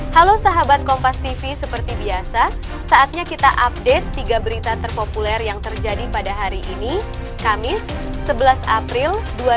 halo sahabat kompas tv seperti biasa saatnya kita update tiga berita terpopuler yang terjadi pada hari ini kamis sebelas april dua ribu dua puluh